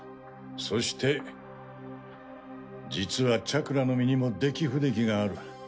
そして実はチャクラの実にも出来不出来がある。